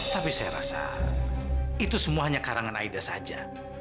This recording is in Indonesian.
tapi saya rasa itu semuanya karangan aida saja